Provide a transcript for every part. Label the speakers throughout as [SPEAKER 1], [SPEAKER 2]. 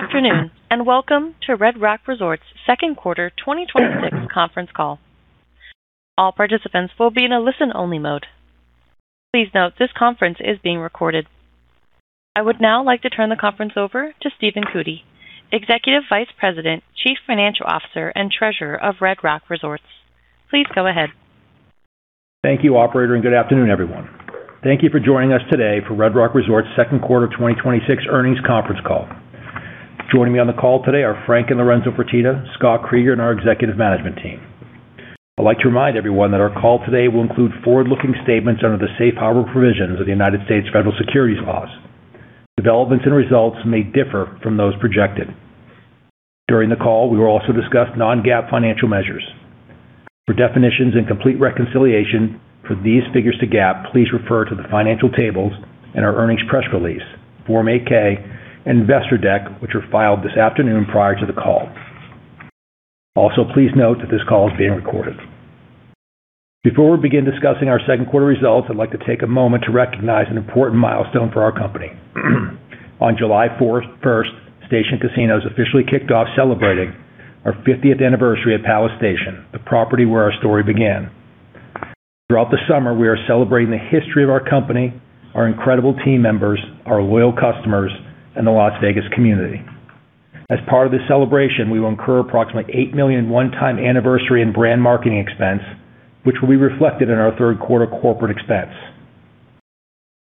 [SPEAKER 1] Good afternoon, and welcome to Red Rock Resorts' second quarter 2026 conference call. All participants will be in a listen-only mode. Please note this conference is being recorded. I would now like to turn the conference over to Stephen Cootey, Executive Vice President, Chief Financial Officer, and Treasurer of Red Rock Resorts. Please go ahead.
[SPEAKER 2] Thank you, operator, and good afternoon, everyone. Thank you for joining us today for Red Rock Resorts' second quarter 2026 earnings conference call. Joining me on the call today are Frank and Lorenzo Fertitta, Scott Kreeger, and our executive management team. I'd like to remind everyone that our call today will include forward-looking statements under the safe harbor provisions of the United States federal securities laws. Developments and results may differ from those projected. During the call, we will also discuss non-GAAP financial measures. For definitions and complete reconciliation for these figures to GAAP, please refer to the financial tables in our earnings press release, Form 8-K, Investor Deck, which were filed this afternoon prior to the call. Also, please note that this call is being recorded. Before we begin discussing our second quarter results, I'd like to take a moment to recognize an important milestone for our company. On July 1st, Station Casinos officially kicked off celebrating our 50th anniversary at Palace Station, the property where our story began. Throughout the summer, we are celebrating the history of our company, our incredible team members, our loyal customers, and the Las Vegas community. As part of this celebration, we will incur approximately $8 million one-time anniversary and brand marketing expense, which will be reflected in our third quarter corporate expense.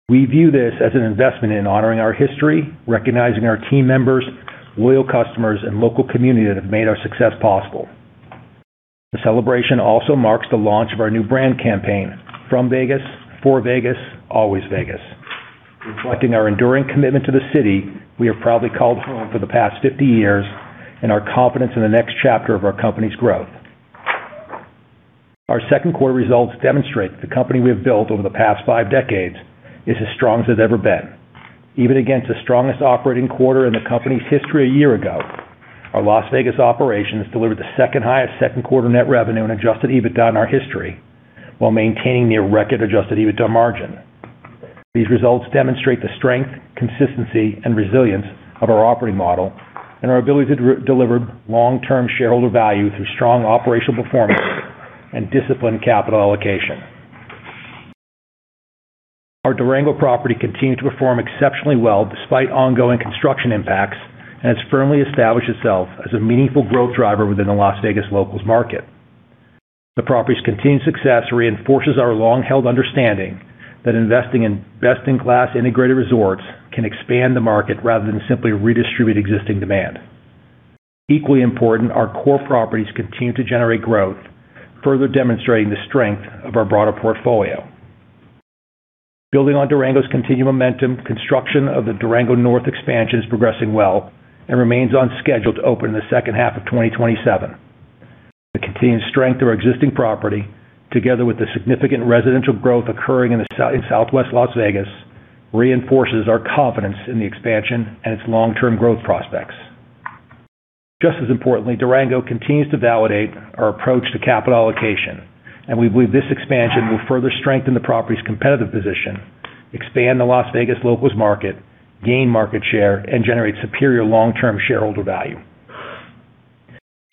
[SPEAKER 2] We view this as an investment in honoring our history, recognizing our team members, loyal customers, and local community that have made our success possible. The celebration also marks the launch of our new brand campaign, From Vegas, For Vegas, Always Vegas. Reflecting our enduring commitment to the city we have proudly called home for the past 50 years and our confidence in the next chapter of our company's growth. Our second quarter results demonstrate that the company we have built over the past five decades is as strong as it's ever been. Even against the strongest operating quarter in the company's history a year ago, our Las Vegas operations delivered the second highest second quarter net revenue and Adjusted EBITDA in our history while maintaining near record Adjusted EBITDA margin. These results demonstrate the strength, consistency, and resilience of our operating model and our ability to deliver long-term shareholder value through strong operational performance and disciplined capital allocation. Our Durango property continued to perform exceptionally well despite ongoing construction impacts, and has firmly established itself as a meaningful growth driver within the Las Vegas locals market. The property's continued success reinforces our long-held understanding that investing in best-in-class integrated resorts can expand the market rather than simply redistribute existing demand. Equally important, our core properties continue to generate growth, further demonstrating the strength of our broader portfolio. Building on Durango's continued momentum, construction of the Durango North expansion is progressing well and remains on schedule to open in the second half of 2027. The continued strength of our existing property, together with the significant residential growth occurring in Southwest Las Vegas, reinforces our confidence in the expansion and its long-term growth prospects. Just as importantly, Durango continues to validate our approach to capital allocation, and we believe this expansion will further strengthen the property's competitive position, expand the Las Vegas locals market, gain market share, and generate superior long-term shareholder value.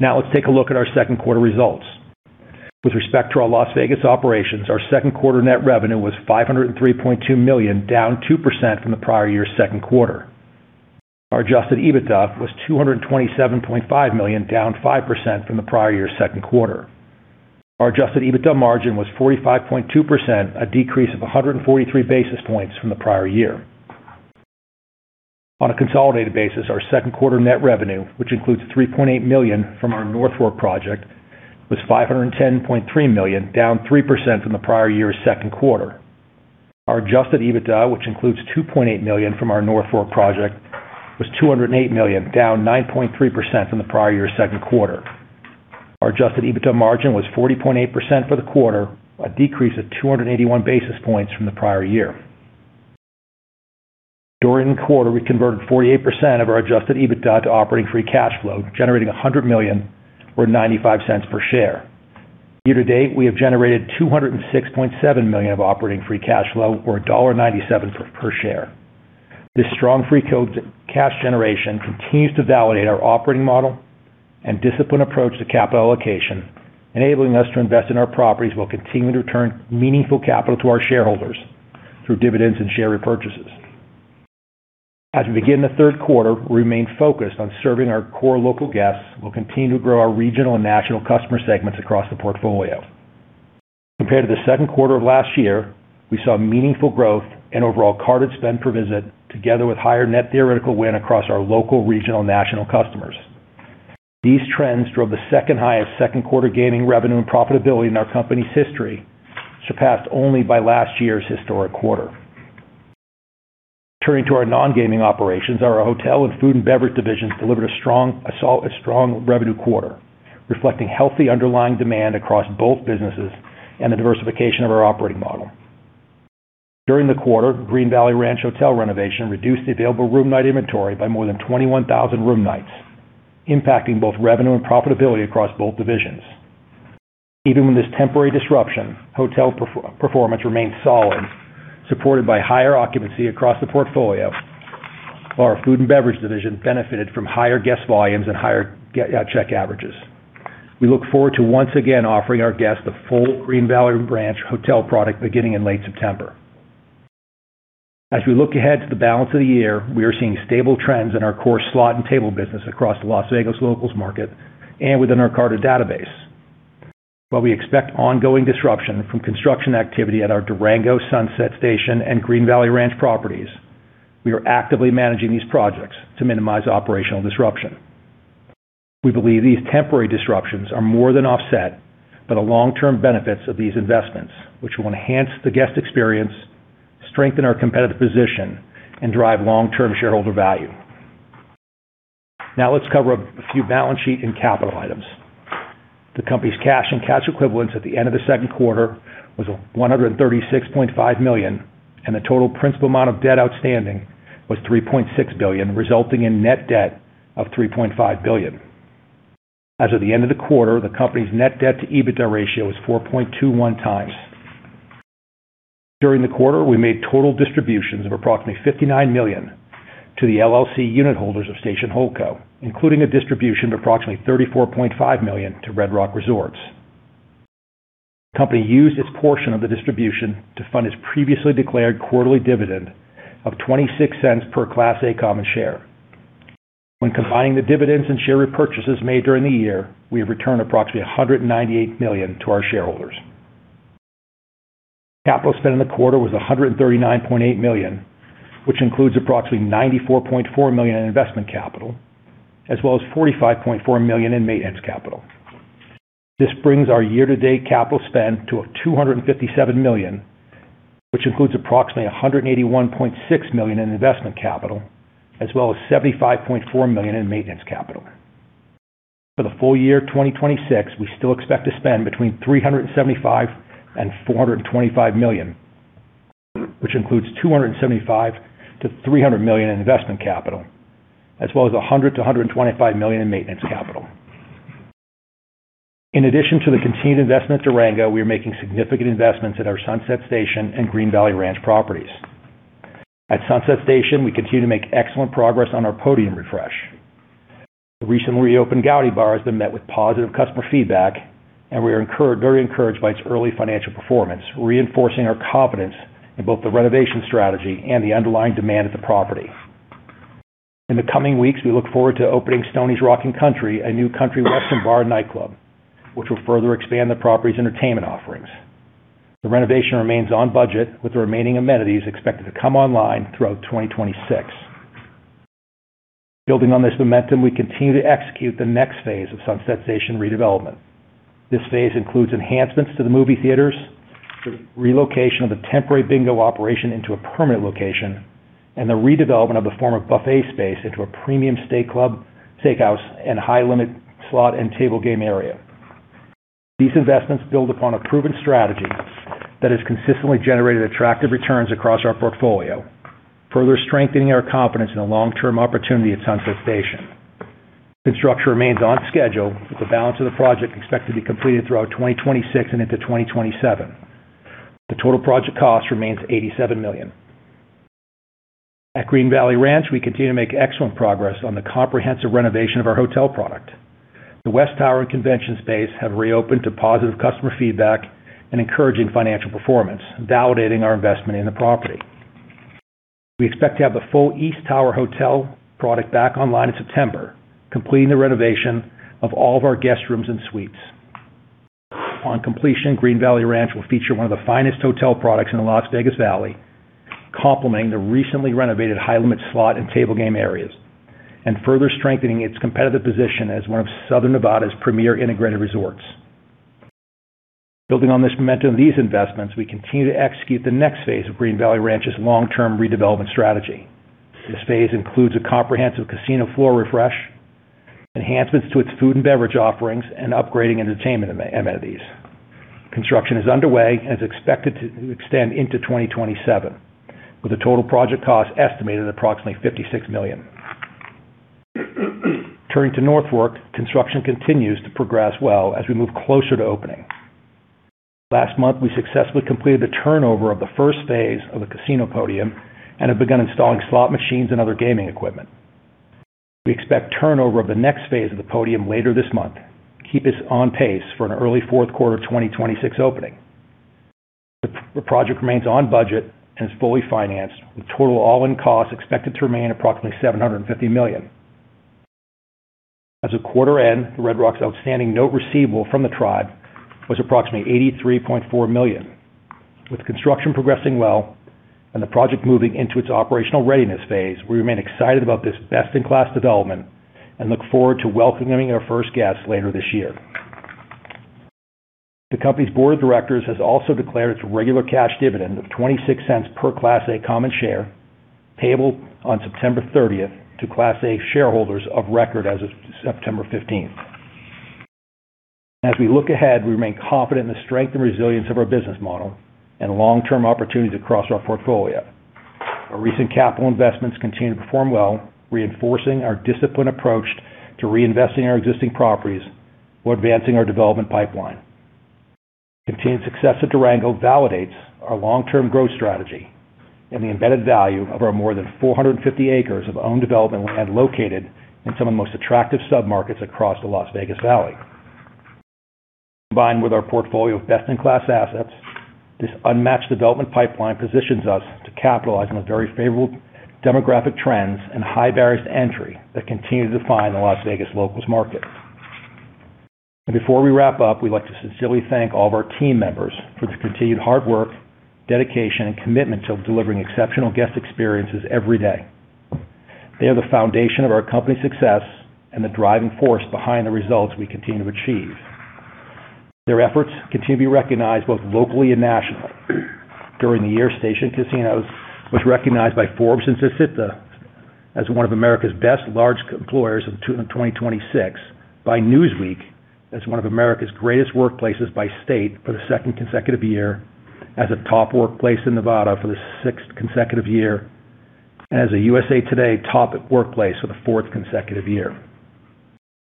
[SPEAKER 2] Now let's take a look at our second quarter results. With respect to our Las Vegas operations, our second quarter net revenue was $503.2 million, down 2% from the prior year's second quarter. Our Adjusted EBITDA was $227.5 million, down 5% from the prior year's second quarter. Our Adjusted EBITDA margin was 45.2%, a decrease of 143 basis points from the prior year. On a consolidated basis, our second quarter net revenue, which includes $3.8 million from our North Fork project, was $510.3 million, down 3% from the prior year's second quarter. Our Adjusted EBITDA, which includes $2.8 million from our North Fork project, was $208 million, down 9.3% from the prior year's second quarter. Our Adjusted EBITDA margin was 40.8% for the quarter, a decrease of 281 basis points from the prior year. During the quarter, we converted 48% of our Adjusted EBITDA to operating free cash flow, generating $100 million or $0.95 per share. Year to date, we have generated $206.7 million of operating free cash flow or $1.97 per share. This strong free cash generation continues to validate our operating model and disciplined approach to capital allocation, enabling us to invest in our properties while continuing to return meaningful capital to our shareholders through dividends and share repurchases. As we begin the third quarter, we remain focused on serving our core local guests and will continue to grow our regional and national customer segments across the portfolio. Compared to the second quarter of last year, we saw meaningful growth in overall carded spend per visit together with higher net theoretical win across our local, regional, and national customers. These trends drove the second highest second quarter gaming revenue and profitability in our company's history, surpassed only by last year's historic quarter. Turning to our non-gaming operations, our hotel and food and beverage divisions delivered a strong revenue quarter, reflecting healthy underlying demand across both businesses and the diversification of our operating model. During the quarter, Green Valley Ranch Hotel renovation reduced the available room night inventory by more than 21,000 room nights, impacting both revenue and profitability across both divisions. Even with this temporary disruption, hotel performance remains solid, supported by higher occupancy across the portfolio, while our food and beverage division benefited from higher guest volumes and higher check averages. We look forward to once again offering our guests the full Green Valley Ranch hotel product beginning in late September. As we look ahead to the balance of the year, we are seeing stable trends in our core slot and table business across the Las Vegas locals market and within our carded database. While we expect ongoing disruption from construction activity at our Durango, Sunset Station, and Green Valley Ranch properties, we are actively managing these projects to minimize operational disruption. We believe these temporary disruptions are more than offset by the long-term benefits of these investments, which will enhance the guest experience, strengthen our competitive position, and drive long-term shareholder value. Now let's cover a few balance sheet and capital items. The company's cash and cash equivalents at the end of the second quarter was $136.5 million, and the total principal amount of debt outstanding was $3.6 billion, resulting in net debt of $3.5 billion. As of the end of the quarter, the company's net debt to EBITDA ratio is 4.21x. During the quarter, we made total distributions of approximately $59 million to the LLC unit holders of Station Holdco, including a distribution of approximately $34.5 million to Red Rock Resorts. The company used its portion of the distribution to fund its previously declared quarterly dividend of $0.26 per Class A common share. When combining the dividends and share repurchases made during the year, we have returned approximately $198 million to our shareholders. Capital spent in the quarter was $139.8 million, which includes approximately $94.4 million in investment capital, as well as $45.4 million in maintenance capital. This brings our year-to-date capital spend to $257 million, which includes approximately $181.6 million in investment capital, as well as $75.4 million in maintenance capital. For the full year 2026, we still expect to spend between $375 million and $425 million, which includes $275 million-$300 million in investment capital, as well as $100 million-$125 million in maintenance capital. In addition to the continued investment at Durango, we are making significant investments at our Sunset Station and Green Valley Ranch properties. At Sunset Station, we continue to make excellent progress on our podium refresh. The recently reopened Gaudi Bar has been met with positive customer feedback, and we are very encouraged by its early financial performance, reinforcing our confidence in both the renovation strategy and the underlying demand at the property. In the coming weeks, we look forward to opening Stoney's Rockin' Country, a new country western bar and nightclub, which will further expand the property's entertainment offerings. The renovation remains on budget, with the remaining amenities expected to come online throughout 2026. Building on this momentum, we continue to execute the next phase of Sunset Station redevelopment. This phase includes enhancements to the movie theaters, the relocation of the temporary bingo operation into a permanent location, and the redevelopment of the former buffet space into a premium steak club, steakhouse, and high-limit slot and table game area. These investments build upon a proven strategy that has consistently generated attractive returns across our portfolio, further strengthening our confidence in the long-term opportunity at Sunset Station. Construction remains on schedule, with the balance of the project expected to be completed throughout 2026 and into 2027. The total project cost remains $87 million. At Green Valley Ranch, we continue to make excellent progress on the comprehensive renovation of our hotel product. The West Tower and convention space have reopened to positive customer feedback and encouraging financial performance, validating our investment in the property. We expect to have the full East Tower hotel product back online in September, completing the renovation of all of our guest rooms and suites. On completion, Green Valley Ranch will feature one of the finest hotel products in the Las Vegas Valley, complementing the recently renovated high-limit slot and table game areas, and further strengthening its competitive position as one of Southern Nevada's premier integrated resorts. Building on this momentum of these investments, we continue to execute the next phase of Green Valley Ranch's long-term redevelopment strategy. This phase includes a comprehensive casino floor refresh, enhancements to its food and beverage offerings, and upgrading entertainment amenities. Construction is underway and is expected to extend into 2027, with a total project cost estimated at approximately $56 million. Turning to North Fork, construction continues to progress well as we move closer to opening. Last month, we successfully completed the turnover of the first phase of the casino podium and have begun installing slot machines and other gaming equipment. We expect turnover of the next phase of the podium later this month to keep us on pace for an early fourth quarter 2026 opening. The project remains on budget and is fully financed, with total all-in costs expected to remain approximately $750 million. As of quarter end, the Red Rock's outstanding note receivable from the tribe was approximately $83.4 million. With construction progressing well and the project moving into its operational readiness phase, we remain excited about this best-in-class development and look forward to welcoming our first guests later this year. The company's board of directors has also declared its regular cash dividend of $0.26 per Class A common share, payable on September 30th to Class A shareholders of record as of September 15th. We look ahead, we remain confident in the strength and resilience of our business model and long-term opportunities across our portfolio. Our recent capital investments continue to perform well, reinforcing our disciplined approach to reinvesting in our existing properties while advancing our development pipeline. Continued success at Durango validates our long-term growth strategy and the embedded value of our more than 450 acres of owned development land located in some of the most attractive submarkets across the Las Vegas Valley. Combined with our portfolio of best-in-class assets, this unmatched development pipeline positions us to capitalize on the very favorable demographic trends and high barriers to entry that continue to define the Las Vegas locals market. Before we wrap up, we'd like to sincerely thank all of our team members for their continued hard work, dedication, and commitment to delivering exceptional guest experiences every day. They are the foundation of our company's success and the driving force behind the results we continue to achieve. Their efforts continue to be recognized both locally and nationally. During the year, Station Casinos was recognized by Forbes and Statista as one of America's best large employers in 2026, by Newsweek as one of America's greatest workplaces by state for the second consecutive year, as a top workplace in Nevada for the sixth consecutive year, and as a USA Today top workplace for the fourth consecutive year.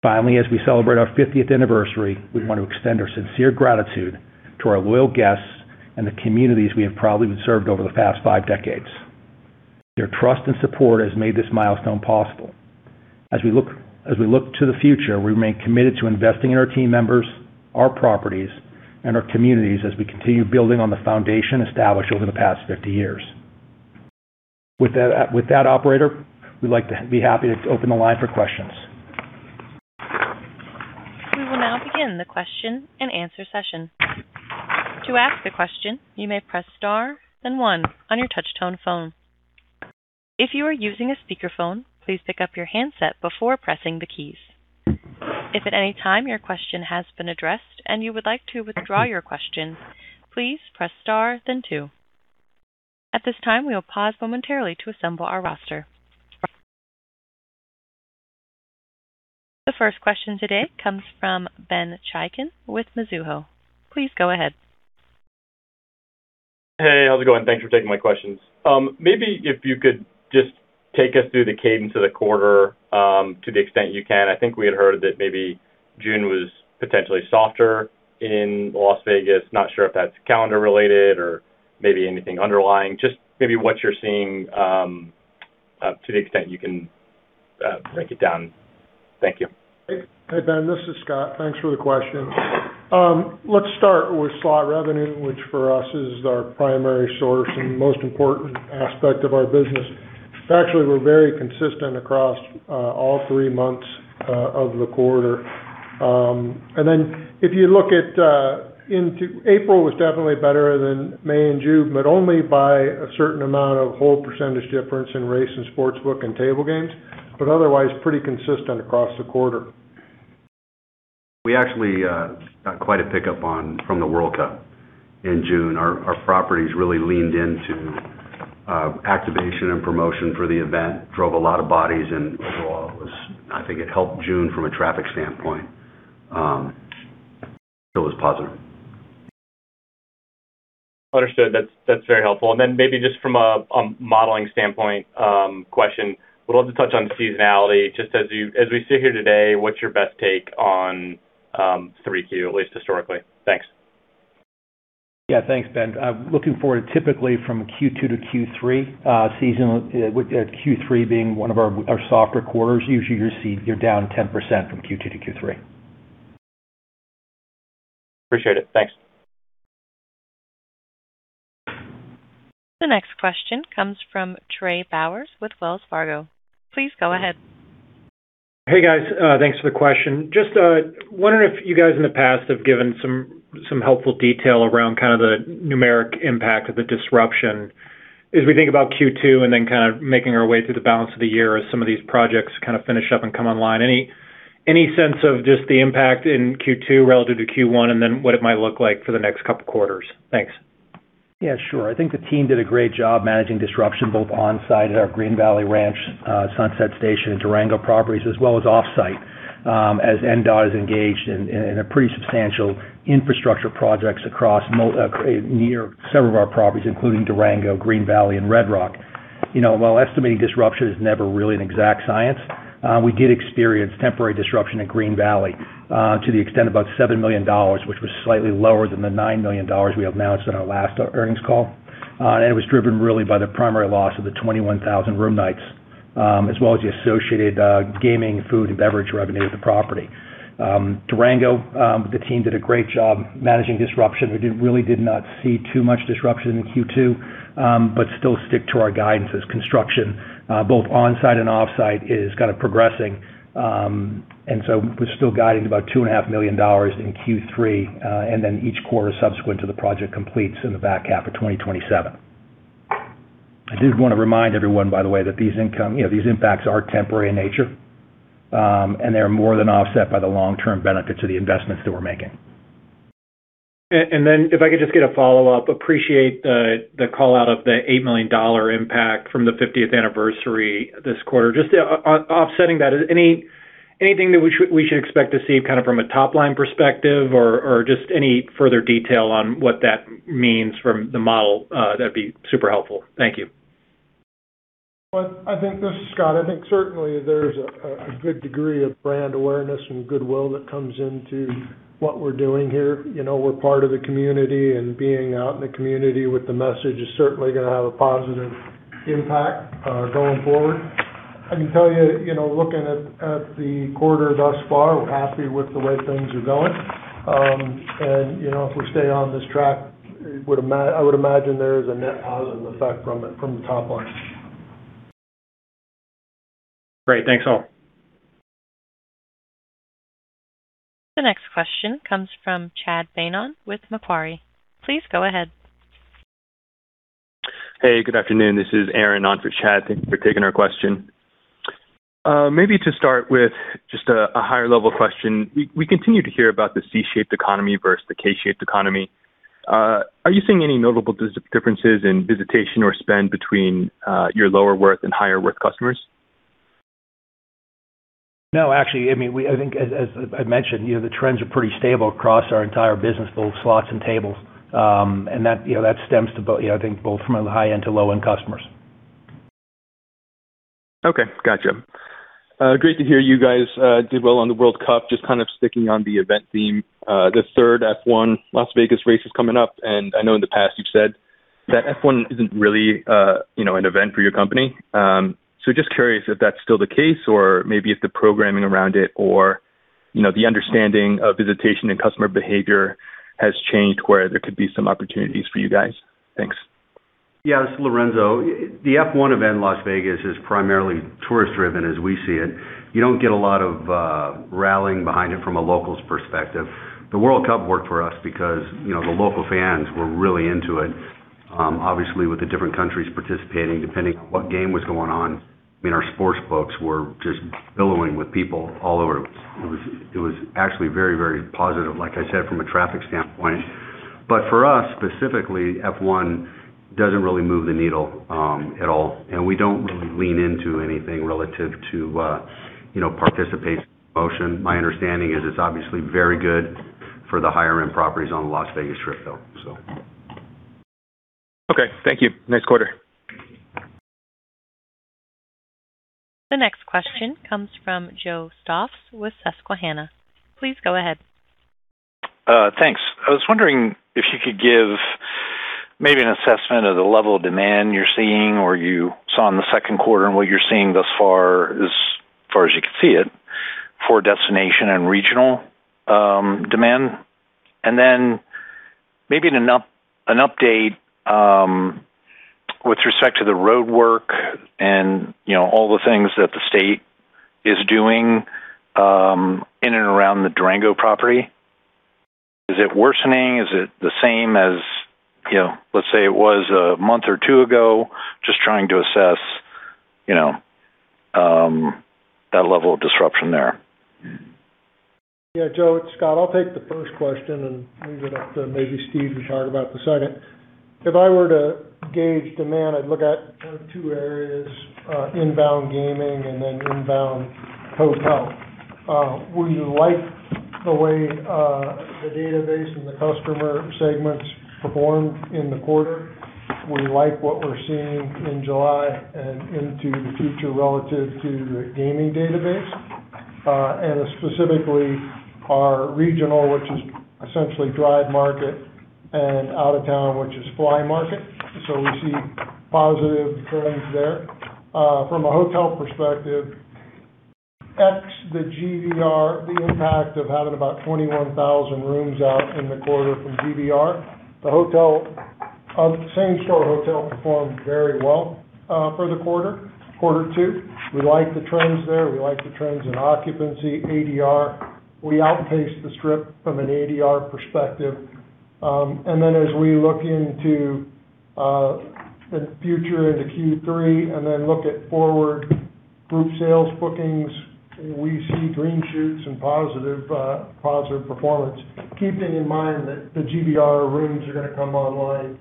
[SPEAKER 2] As we celebrate our 50th anniversary, we want to extend our sincere gratitude to our loyal guests and the communities we have proudly served over the past five decades. Your trust and support has made this milestone possible. We look to the future, we remain committed to investing in our team members, our properties, and our communities as we continue building on the foundation established over the past 50 years. With that, operator, we'd be happy to open the line for questions.
[SPEAKER 1] We will now begin the question and answer session. To ask a question, you may press star, then one on your touchtone phone. If you are using a speakerphone, please pick up your handset before pressing the keys. If at any time your question has been addressed and you would like to withdraw your question, please press star, then two. At this time, we will pause momentarily to assemble our roster. The first question today comes from Ben Chaiken with Mizuho. Please go ahead.
[SPEAKER 3] Hey, how's it going? Thanks for taking my questions. Maybe if you could just take us through the cadence of the quarter to the extent you can. I think we had heard that maybe June was potentially softer in Las Vegas. Not sure if that's calendar related or maybe anything underlying. Just maybe what you're seeing to the extent you can break it down. Thank you.
[SPEAKER 4] Hey, Ben. This is Scott. Thanks for the question. Let's start with slot revenue, which for us is our primary source and most important aspect of our business. Actually, we're very consistent across all three months of the quarter. If you look at into April, was definitely better than May and June, but only by a certain amount of whole percentage difference in race and sportsbook and table games, but otherwise pretty consistent across the quarter.
[SPEAKER 2] We actually got quite a pickup from the World Cup in June. Our properties really leaned into activation and promotion for the event, drove a lot of bodies and overall, I think it helped June from a traffic standpoint. It was positive.
[SPEAKER 3] Understood. That's very helpful. Then maybe just from a modeling standpoint, question, would love to touch on seasonality. Just as we sit here today, what's your best take on 3Q, at least historically? Thanks.
[SPEAKER 2] Thanks, Ben. Looking forward to typically from Q2 to Q3, seasonal, with Q3 being one of our softer quarters. Usually, you're down 10% from Q2 to Q3.
[SPEAKER 3] Appreciate it. Thanks.
[SPEAKER 1] The next question comes from Trey Bowers with Wells Fargo. Please go ahead.
[SPEAKER 5] Hey, guys. Thanks for the question. Just wondering if you guys in the past have given some helpful detail around kind of the numeric impact of the disruption as we think about Q2 and then kind of making our way through the balance of the year as some of these projects kind of finish up and come online. Any sense of just the impact in Q2 relative to Q1 and then what it might look like for the next couple quarters? Thanks.
[SPEAKER 2] Yeah, sure. I think the team did a great job managing disruption both on-site at our Green Valley Ranch, Sunset Station, and Durango properties, as well as off-site as NDOT is engaged in a pretty substantial infrastructure projects near several of our properties, including Durango, Green Valley, and Red Rock. While estimating disruption is never really an exact science, we did experience temporary disruption at Green Valley to the extent of about $7 million, which was slightly lower than the $9 million we have announced in our last earnings call. It was driven really by the primary loss of the 21,000 room nights, as well as the associated gaming, food, and beverage revenue at the property. Durango, the team did a great job managing disruption. We really did not see too much disruption in Q2, still stick to our guidance as construction both on-site and off-site is kind of progressing. We're still guiding about $2.5 million in Q3, and then each quarter subsequent to the project completes in the back half of 2027. I did want to remind everyone, by the way, that these impacts are temporary in nature, and they are more than offset by the long-term benefits of the investments that we're making.
[SPEAKER 5] If I could just get a follow-up, appreciate the call out of the $8 million impact from the 50th anniversary this quarter. Just offsetting that, anything that we should expect to see from a top-line perspective or just any further detail on what that means from the model? That'd be super helpful. Thank you.
[SPEAKER 4] Well, this is Scott. I think certainly there's a good degree of brand awareness and goodwill that comes into what we're doing here. We're part of the community, and being out in the community with the message is certainly going to have a positive impact, going forward. I can tell you, looking at the quarter thus far, we're happy with the way things are going. If we stay on this track, I would imagine there is a net positive effect from the top line.
[SPEAKER 5] Great. Thanks all.
[SPEAKER 1] The next question comes from Chad Beynon with Macquarie. Please go ahead.
[SPEAKER 6] Hey, good afternoon. This is Aaron on for Chad. Thank you for taking our question. Maybe to start with just a higher level question. We continue to hear about the C-shaped economy versus the K-shaped economy. Are you seeing any notable differences in visitation or spend between your lower worth and higher worth customers?
[SPEAKER 2] No, actually, I think as I mentioned, the trends are pretty stable across our entire business, both slots and tables. That stems to both from a high-end to low-end customers.
[SPEAKER 6] Okay. Got you. Great to hear you guys did well on the World Cup. Just sticking on the event theme, the third F1 Las Vegas race is coming up, and I know in the past you've said that F1 isn't really an event for your company. Just curious if that's still the case or maybe if the programming around it or the understanding of visitation and customer behavior has changed where there could be some opportunities for you guys. Thanks.
[SPEAKER 7] Yeah. This is Lorenzo. The F1 event in Las Vegas is primarily tourist-driven as we see it. You don't get a lot of rallying behind it from a locals perspective. The World Cup worked for us because the local fans were really into it. Obviously, with the different countries participating, depending on what game was going on, our sports books were just billowing with people all over. It was actually very positive, like I said, from a traffic standpoint. For us specifically, F1 doesn't really move the needle at all. We don't really lean into anything relative to participation promotion. My understanding is it's obviously very good for the higher end properties on the Las Vegas Strip, though.
[SPEAKER 6] Okay. Thank you. Next quarter.
[SPEAKER 1] The next question comes from Joe Stauff with Susquehanna. Please go ahead.
[SPEAKER 8] Thanks. I was wondering if you could give maybe an assessment of the level of demand you're seeing or you saw in the second quarter and what you're seeing thus far, as far as you can see it, for destination and regional demand. Then maybe an update with respect to the roadwork and all the things that the state is doing in and around the Durango property. Is it worsening? Is it the same as, let's say it was a month or two ago? Just trying to assess that level of disruption there.
[SPEAKER 4] Yeah, Joe, it's Scott. I'll take the first question and leave it up to maybe Steve to talk about the second. If I were to gauge demand, I'd look at two areas, inbound gaming and then inbound hotel. We like the way the database and the customer segments performed in the quarter. We like what we're seeing in July and into the future relative to the gaming database, and specifically our regional, which is essentially drive market and out of town, which is fly market. We see positive trends there. From a hotel perspective, X the GVR, the impact of having about 21,000 rooms out in the quarter from GVR. The same store hotel performed very well for the quarter two. We like the trends there. We like the trends in occupancy, ADR. We outpaced the Strip from an ADR perspective. As we look into the future into Q3 and look at forward group sales bookings, we see green shoots and positive performance, keeping in mind that the GVR rooms are going to come online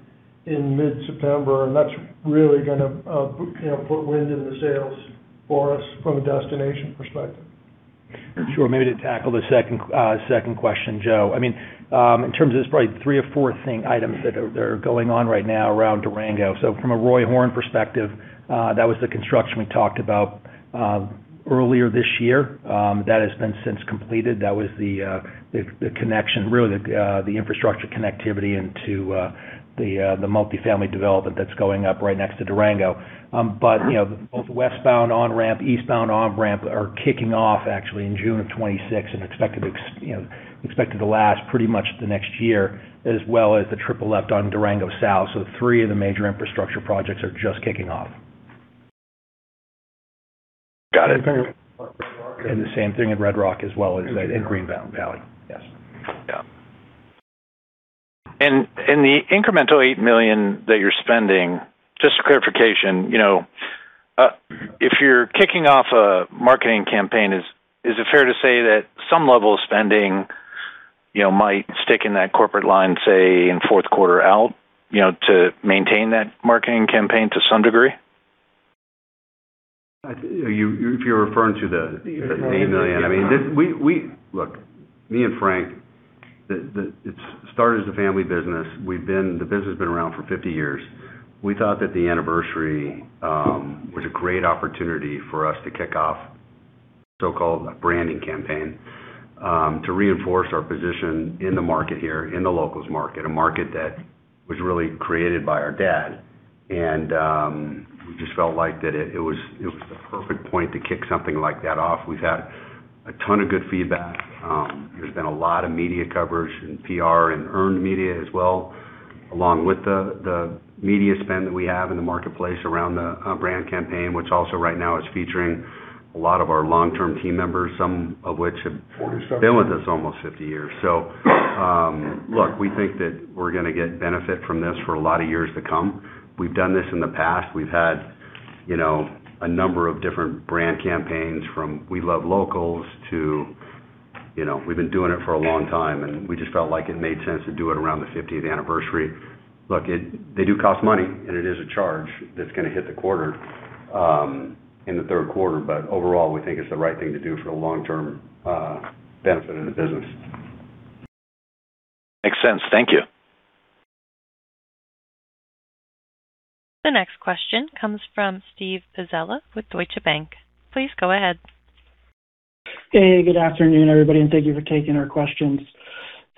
[SPEAKER 4] in mid-September, and that's really going to put wind in the sails for us from a destination perspective.
[SPEAKER 2] Sure. Maybe to tackle the second question, Joe. In terms of, there's probably three or four thing items that are going on right now around Durango. From a Roy Horn perspective, that was the construction we talked about earlier this year. That has been since completed. That was the connection, really, the infrastructure connectivity into the multi-family development that's going up right next to Durango. Both the westbound on-ramp, eastbound on-ramp are kicking off actually in June of 2026 and expected to last pretty much the next year, as well as the triple left on Durango South. Three of the major infrastructure projects are just kicking off.
[SPEAKER 8] Got it.
[SPEAKER 2] The same thing in Red Rock as well as in Green Valley. Yes.
[SPEAKER 8] Yeah. The incremental $8 million that you're spending, just for clarification, if you're kicking off a marketing campaign, is it fair to say that some level of spending might stick in that corporate line, say, in fourth quarter out to maintain that marketing campaign to some degree?
[SPEAKER 7] If you're referring to the $8 million.
[SPEAKER 8] Yeah.
[SPEAKER 7] Look, me and Frank, it started as a family business. The business has been around for 50 years. We thought that the anniversary was a great opportunity for us to kick off a so-called branding campaign to reinforce our position in the market here, in the locals market, a market that was really created by our dad. We just felt like that it was the perfect point to kick something like that off. We've had a ton of good feedback. There's been a lot of media coverage and PR and earned media as well, along with the media spend that we have in the marketplace around the brand campaign, which also right now is featuring a lot of our long-term team members, some of which have been with us almost 50 years. Look, we think that we're going to get benefit from this for a lot of years to come. We've done this in the past. We've had a number of different brand campaigns from We Love Locals to, we've been doing it for a long time, and we just felt like it made sense to do it around the 50th anniversary. Look, they do cost money, and it is a charge that's going to hit the quarter in the third quarter. Overall, we think it's the right thing to do for the long-term benefit of the business.
[SPEAKER 8] Makes sense. Thank you.
[SPEAKER 1] The next question comes from Steve Pizzella with Deutsche Bank. Please go ahead.
[SPEAKER 9] Hey, good afternoon, everybody, and thank you for taking our questions.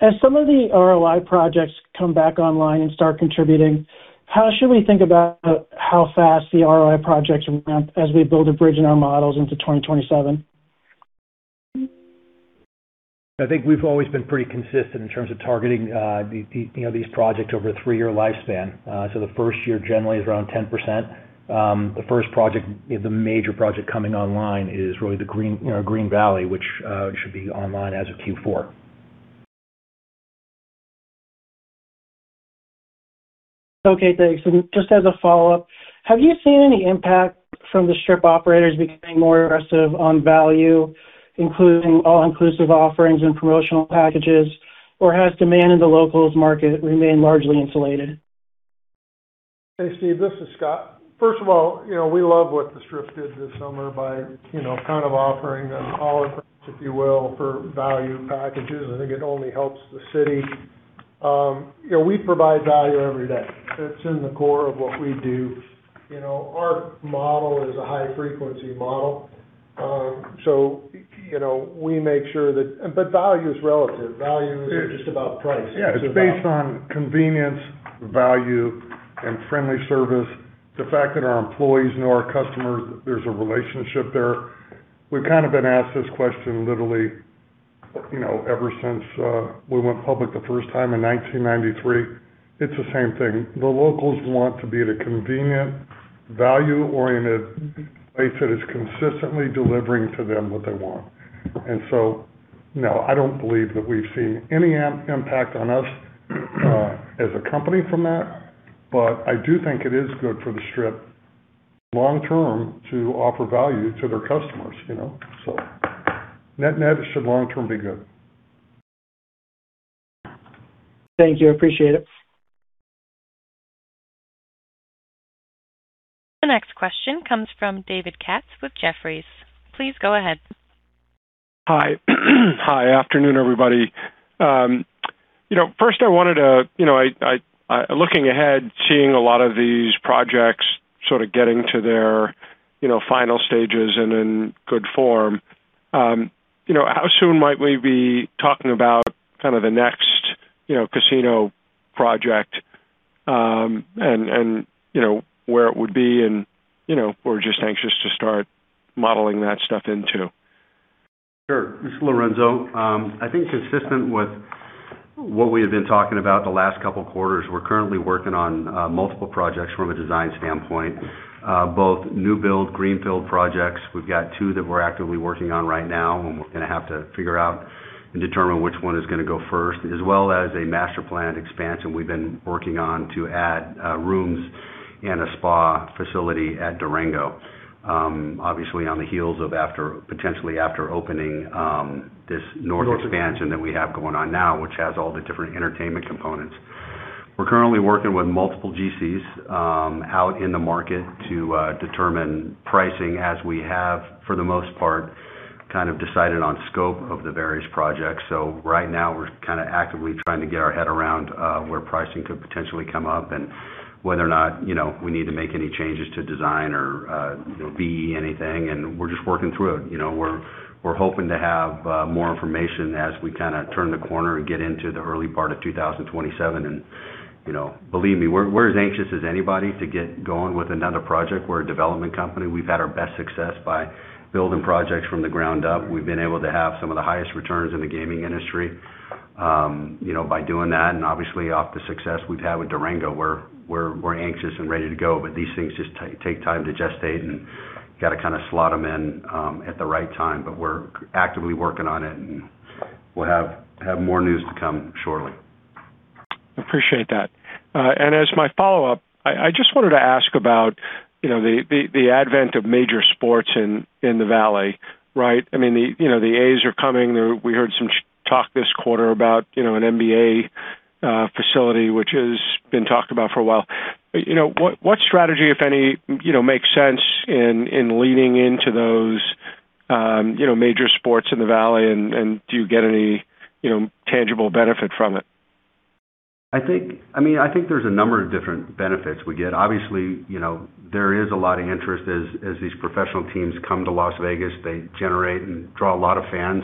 [SPEAKER 9] As some of the ROI projects come back online and start contributing, how should we think about how fast the ROI projects ramp as we build a bridge in our models into 2027?
[SPEAKER 2] I think we've always been pretty consistent in terms of targeting these projects over a three-year lifespan. The first year generally is around 10%. The first project, the major project coming online is really the Green Valley, which should be online as of Q4.
[SPEAKER 9] Okay, thanks. Just as a follow-up, have you seen any impact from the Strip operators becoming more aggressive on value, including all-inclusive offerings and promotional packages, or has demand in the locals market remained largely insulated?
[SPEAKER 4] Hey, Steve, this is Scott. First of all, we love what the Strip did this summer by offering an all approach, if you will, for value packages. I think it only helps the city. We provide value every day. It's in the core of what we do. Our model is a high-frequency model. Value is relative. Value isn't just about price. Yeah, it's based on convenience, value, and friendly service. The fact that our employees know our customers, there's a relationship there. We've kind of been asked this question literally ever since we went public the first time in 1993. It's the same thing. The locals want to be at a convenient, value-oriented place that is consistently delivering to them what they want. No, I don't believe that we've seen any impact on us as a company from that. I do think it is good for the Strip long term to offer value to their customers. Net-net, it should long term be good.
[SPEAKER 9] Thank you. I appreciate it.
[SPEAKER 1] The next question comes from David Katz with Jefferies. Please go ahead.
[SPEAKER 10] Hi. Afternoon, everybody. First looking ahead, seeing a lot of these projects sort of getting to their final stages and in good form, how soon might we be talking about the next casino project, and where it would be? We're just anxious to start modeling that stuff into.
[SPEAKER 7] Sure. This is Lorenzo. I think consistent with what we have been talking about the last couple of quarters, we're currently working on multiple projects from a design standpoint, both new build greenfield projects. We've got two that we're actively working on right now, and we're going to have to figure out and determine which one is going to go first, as well as a master plan expansion we've been working on to add rooms and a spa facility at Durango. Obviously, on the heels of potentially after opening this north expansion that we have going on now, which has all the different entertainment components. We're currently working with multiple GCs out in the market to determine pricing as we have, for the most part, kind of decided on scope of the various projects. Right now we're actively trying to get our head around where pricing could potentially come up and whether or not we need to make any changes to design or VE anything, and we're just working through it. We're hoping to have more information as we turn the corner and get into the early part of 2027. Believe me, we're as anxious as anybody to get going with another project. We're a development company. We've had our best success by building projects from the ground up. We've been able to have some of the highest returns in the gaming industry by doing that. Obviously off the success we've had with Durango, we're anxious and ready to go. These things just take time to gestate, and you got to kind of slot them in at the right time. We're actively working on it, and we'll have more news to come shortly.
[SPEAKER 10] Appreciate that. As my follow-up, I just wanted to ask about the advent of major sports in the Valley, right? The A's are coming. We heard some talk this quarter about an NBA facility, which has been talked about for a while. What strategy, if any, makes sense in leaning into those major sports in the Valley, and do you get any tangible benefit from it?
[SPEAKER 7] I think there's a number of different benefits we get. Obviously, there is a lot of interest as these professional teams come to Las Vegas. They generate and draw a lot of fans,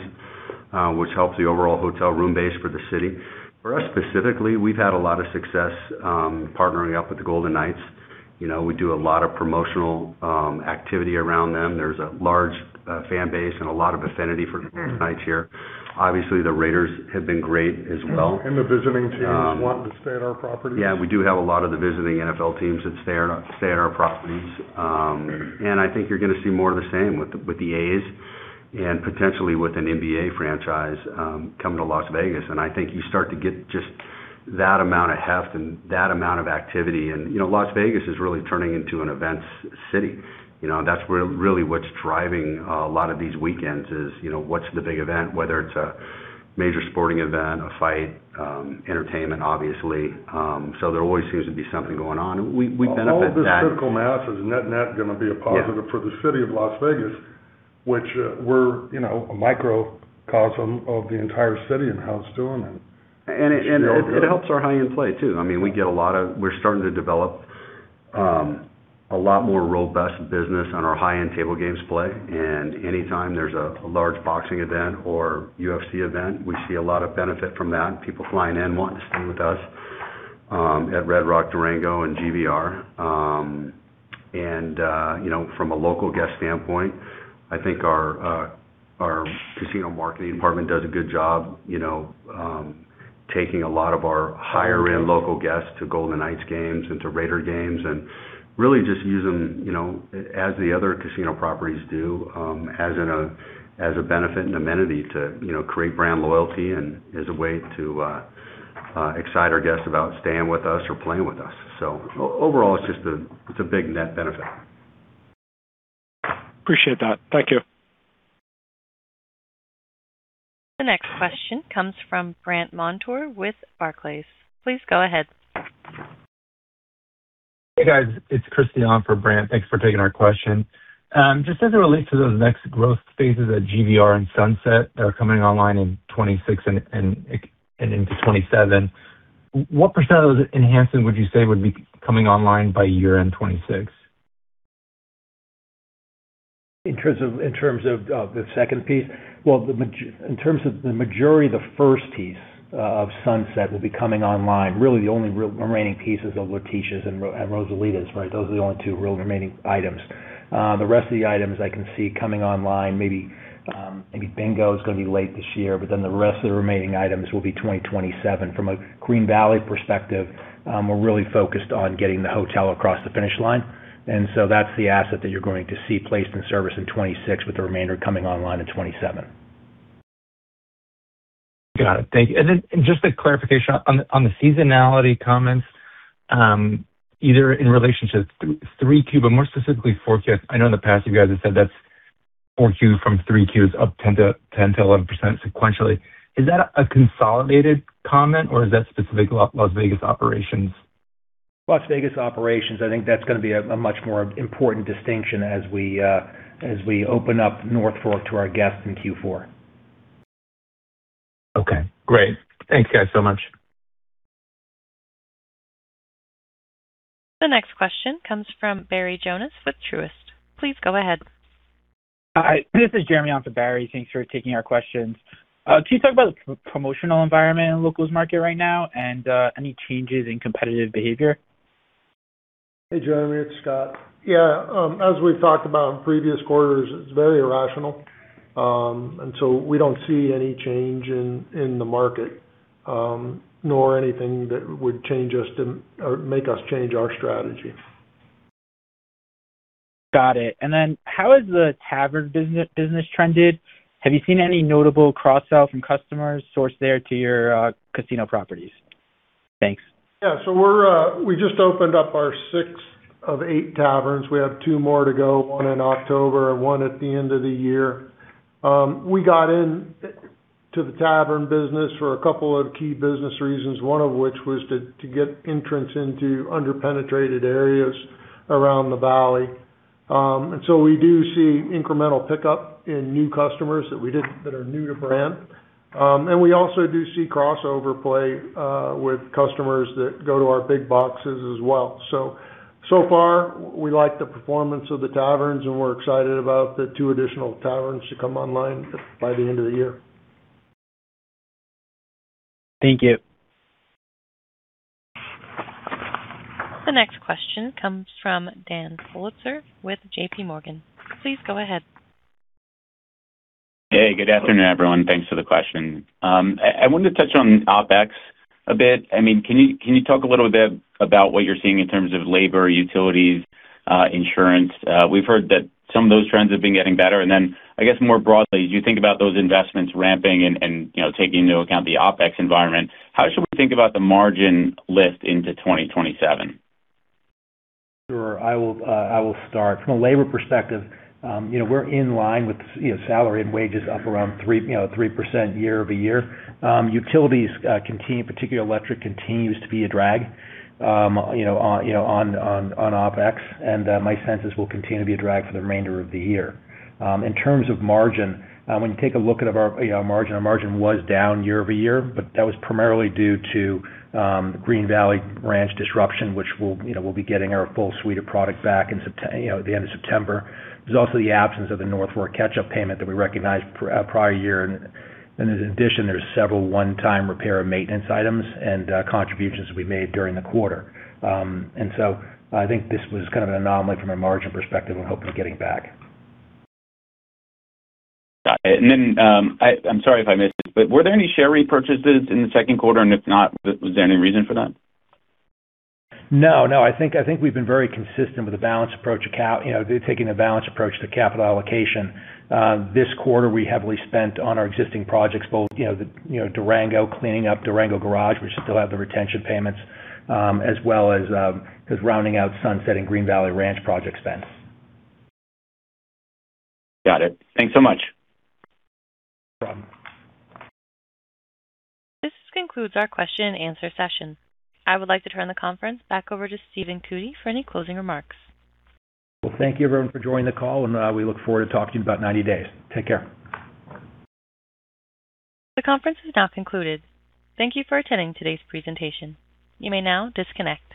[SPEAKER 7] which helps the overall hotel room base for the city. For us specifically, we've had a lot of success partnering up with the Golden Knights. We do a lot of promotional activity around them. There's a large fan base and a lot of affinity for Golden Knights here. Obviously, the Raiders have been great as well.
[SPEAKER 4] The visiting teams want to stay at our properties.
[SPEAKER 7] Yeah, we do have a lot of the visiting NFL teams that stay at our properties. I think you're going to see more of the same with the A's and potentially with an NBA franchise coming to Las Vegas. I think you start to get just that amount of heft and that amount of activity. Las Vegas is really turning into an events city. That's really what's driving a lot of these weekends is, what's the big event, whether it's a major sporting event, a fight, entertainment, obviously. There always seems to be something going on and we benefit that.
[SPEAKER 4] All of this critical mass is net going to be a positive.
[SPEAKER 7] Yeah
[SPEAKER 4] for the city of Las Vegas, which we're a microcosm of the entire city and how it's doing, and should be all good.
[SPEAKER 7] It helps our high-end play, too. We're starting to develop a lot more robust business on our high-end table games play. Anytime there's a large boxing event or UFC event, we see a lot of benefit from that. People flying in wanting to stay with us at Red Rock, Durango, and GVR. From a local guest standpoint, I think our casino marketing department does a good job taking a lot of our higher-end local guests to Golden Knights games and to Raiders games and really just use them, as the other casino properties do, as a benefit and amenity to create brand loyalty and as a way to excite our guests about staying with us or playing with us. Overall, it's a big net benefit.
[SPEAKER 10] Appreciate that. Thank you.
[SPEAKER 1] The next question comes from Brandt Montour with Barclays. Please go ahead.
[SPEAKER 11] Hey, guys. It's Chris, stand in for Brandt. Thanks for taking our question. Just as it relates to those next growth phases at GVR and Sunset that are coming online in 2026 and into 2027, what percent of those enhancements would you say would be coming online by year-end 2026?
[SPEAKER 2] In terms of the second piece? In terms of the majority of the first piece of Sunset will be coming online. Really the only real remaining pieces are Leticia's and Rosalita's, right? Those are the only two real remaining items. The rest of the items I can see coming online, maybe Bingo is going to be late this year, the rest of the remaining items will be 2027. From a Green Valley perspective, we're really focused on getting the hotel across the finish line. That's the asset that you're going to see placed in service in 2026, with the remainder coming online in 2027.
[SPEAKER 11] Got it. Thank you. Just a clarification on the seasonality comments, either in relationship to 3Q, more specifically 4Q. I know in the past you guys have said that's 4Q from 3Q is up 10% to 11% sequentially. Is that a consolidated comment or is that specific Las Vegas operations?
[SPEAKER 2] Las Vegas operations, I think that's going to be a much more important distinction as we open up North Fork to our guests in Q4.
[SPEAKER 11] Okay, great. Thanks, guys, so much.
[SPEAKER 1] The next question comes from Barry Jonas with Truist. Please go ahead.
[SPEAKER 12] Hi, this is Jeremy on for Barry. Thanks for taking our questions. Can you talk about the promotional environment in the locals market right now and any changes in competitive behavior?
[SPEAKER 4] Hey, Jeremy, it's Scott. Yeah, as we've talked about in previous quarters, it's very irrational. We don't see any change in the market, nor anything that would make us change our strategy.
[SPEAKER 12] Got it. How has the tavern business trended? Have you seen any notable cross-sell from customers sourced there to your casino properties? Thanks.
[SPEAKER 4] Yeah. We just opened up our sixth of eight taverns. We have two more to go, one in October and one at the end of the year. We got into the tavern business for a couple of key business reasons, one of which was to get entrance into under-penetrated areas around the Valley. We do see incremental pickup in new customers that are new to brand. We also do see crossover play with customers that go to our big boxes as well. So far, we like the performance of the taverns, and we're excited about the two additional taverns to come online by the end of the year.
[SPEAKER 12] Thank you.
[SPEAKER 1] The next question comes from Dan Politzer with JPMorgan. Please go ahead.
[SPEAKER 13] Hey, good afternoon, everyone. Thanks for the question. I wanted to touch on OpEx a bit. Can you talk a little bit about what you're seeing in terms of labor, utilities, insurance? We've heard that some of those trends have been getting better. I guess more broadly, as you think about those investments ramping and taking into account the OpEx environment, how should we think about the margin lift into 2027?
[SPEAKER 2] Sure. I will start. From a labor perspective, we're in line with salary and wages up around 3% year-over-year. Utilities, particularly electric, continues to be a drag on OpEx, and my sense is will continue to be a drag for the remainder of the year. In terms of margin, when you take a look at our margin, our margin was down year-over-year, but that was primarily due to Green Valley Ranch disruption, which we'll be getting our full suite of product back at the end of September. There's also the absence of the North Fork catch-up payment that we recognized prior year. In addition, there's several one-time repair and maintenance items and contributions we made during the quarter. I think this was kind of an anomaly from a margin perspective and hope of getting back.
[SPEAKER 13] Got it. I'm sorry if I missed it, but were there any share repurchases in the second quarter? If not, was there any reason for that?
[SPEAKER 2] No, no. I think we've been very consistent with taking a balanced approach to capital allocation. This quarter, we heavily spent on our existing projects, both Durango, cleaning up Durango Garage, we still have the retention payments, as well as rounding out sunsetting Green Valley Ranch project spend.
[SPEAKER 13] Got it. Thanks so much.
[SPEAKER 2] No problem.
[SPEAKER 1] This concludes our question and answer session. I would like to turn the conference back over to Stephen Cootey for any closing remarks.
[SPEAKER 2] Well, thank you, everyone, for joining the call. We look forward to talking to you in about 90 days. Take care.
[SPEAKER 1] The conference has now concluded. Thank you for attending today's presentation. You may now disconnect.